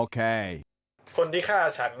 คนที่ฆ่าฉัน